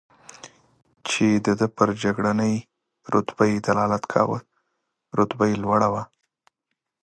چې د ده پر جګړنۍ رتبه یې دلالت کاوه، رتبه یې لوړه وه.